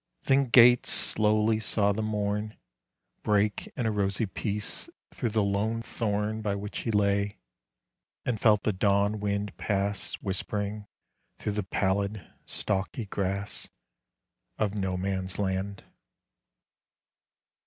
Then Gates slowly saw the morn Break in a rosy peace through the lone thorn By which he lay, and felt the dawn wind pass Whispering through the pallid, stalky grass Of No Man's Land....